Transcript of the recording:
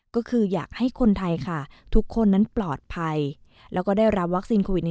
ก็คืออยากให้คนไทยค่ะทุกคนนั้นปลอดภัยแล้วก็ได้รับวัคซีนโควิด๑